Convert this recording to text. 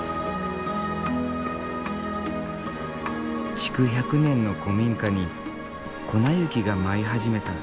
築１００年の古民家に粉雪が舞い始めた。